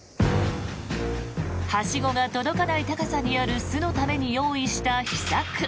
はしごが届かない高さにある巣のために用意した秘策。